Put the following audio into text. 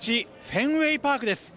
フェンウェイパークです。